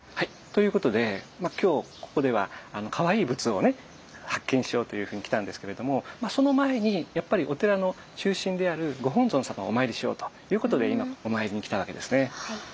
ということで今日ここではかわいい仏像をね発見しようというふうに来たんですけれどもその前にやっぱりお寺の中心であるご本尊様をお参りしようということで今お参りに来たわけですね。